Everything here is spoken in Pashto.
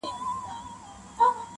پیرمحمد په ملغلرو بار کاروان دی,